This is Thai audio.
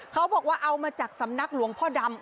เขาบอกว่าเอามาจากสำนักหลวงพ่อดำ